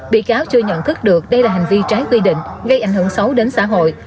bị cáo chưa nhận thức được đây là hành vi trái quy định gây ảnh hưởng xấu đến xã hội